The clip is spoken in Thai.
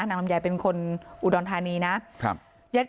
ลำไยเป็นคนอุดรธานีนะครับ